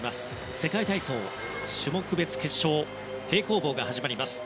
世界体操種目別決勝平行棒が始まります。